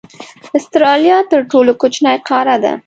استرالیا تر ټولو کوچنۍ قاره ده.